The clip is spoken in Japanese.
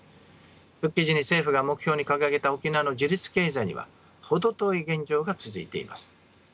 復帰時に政府が目標に掲げた沖縄の自立経済には程遠い現状が続いています。